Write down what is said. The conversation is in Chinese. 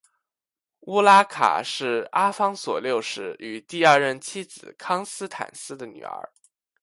乌拉卡是阿方索六世与第二任妻子康斯坦丝的女儿。